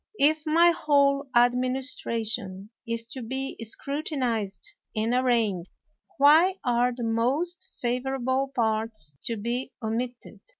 If my whole administration is to be scrutinized and arraigned, why are the most favorable parts to be omitted?